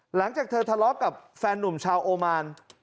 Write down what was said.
หลังจากเธอทะเลาะกับแฟนนุ่มชาวโอมาน